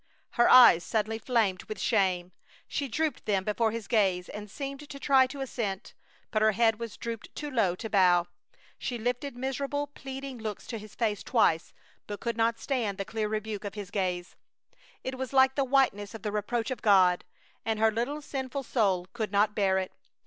Her eyes suddenly flamed with shame. She drooped them before his gaze and seemed to try to assent, but her head was drooped too low to bow. She lifted miserable pleading looks to his face twice, but could not stand the clear rebuke of his gaze. It was like the whiteness of the reproach of God, and her little sinful soul could not bear it.